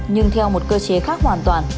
nhưng theo một cơ chế khác hoàn toàn